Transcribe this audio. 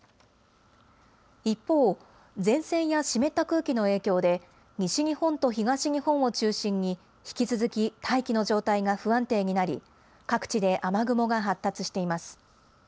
一方、前線や湿った空気の影響で、西日本と東日本を中心に、引き続き大気の状態が不安定になり、各地で雨雲が発達しています。